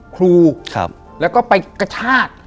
ครูแล้วก็ไปกระชาก